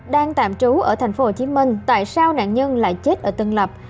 đang tạm trú ở tp hcm tại sao nạn nhân lại chết ở tân lập